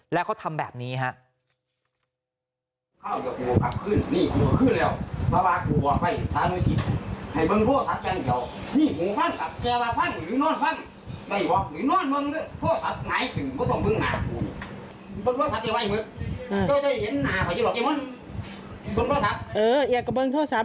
แล้วเขาทำแบบนี้ครับ